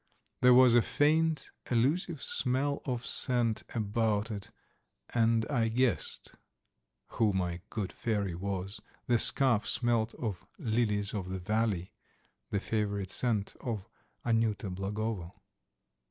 There was a faint elusive smell of scent about it, and I guessed who my good fairy was. The scarf smelt of lilies of the valley, the favourite scent of Anyuta Blagovo.